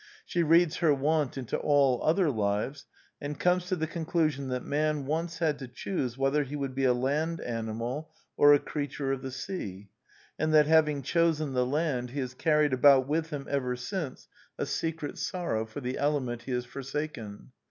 She reads her want into all other lives, and comes to the conclusion that man once had to choose whether he would be a land animal or a creature of the sea; and that having chosen the land, he has carried about with him ever since a secret sor The Anti Idealist Plays 123 row for the element he has forsaken.